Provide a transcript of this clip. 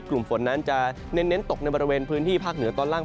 กลุ่มฝนนั้นจะเน้นตกในบริเวณพื้นที่ภาคเหนือตอนล่าง